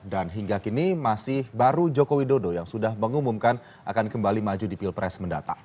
dan hingga kini masih baru jokowi dodo yang sudah mengumumkan akan kembali maju di pilpres mendatang